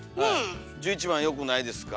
１１番よくないですか。